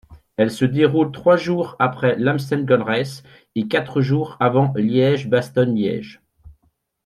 Elle se déroule trois jours après l'Amstel Gold Race et quatre jours avant Liège-Bastogne-Liège.